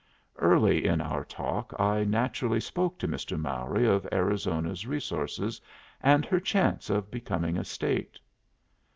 Early in our talk I naturally spoke to Mr. Mowry of Arizona's resources and her chance of becoming a State.